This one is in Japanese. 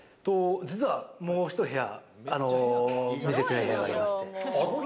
実はもう１部屋、見せたいところがありまして。